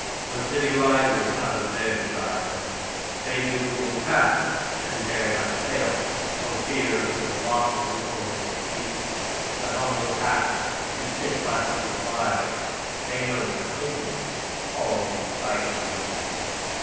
No city rises out of their desires ; They do the little task, and dare not fail For fear of little losses — or they keep The humble path and sit by humble fires; They know their places — all these fighting Weak!